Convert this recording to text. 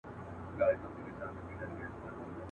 باز به بيرته بيزو وان ځان ته پيدا كړ.